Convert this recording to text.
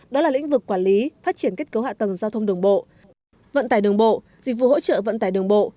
đó là lĩnh vực quản lý phát triển kết cấu hạ tầng giao thông đường bộ vận tải đường bộ dịch vụ hỗ trợ vận tải đường bộ